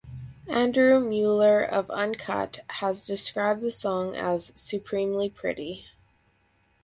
Andrew Mueller of "Uncut" has described the song as "supremely pretty".